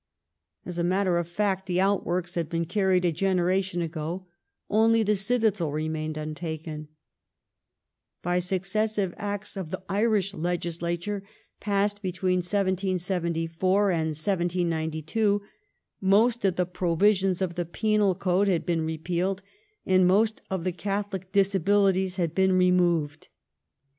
As a matter of fact, the outworks had been carried a generation ago ; only the citadel remained untaken. By successive Acts of the Irish legislature,^ passed between 1774 and 1792, most of the provisions of the " Penal Code " had been repealed, and most of the Catholic disabilities had been removed.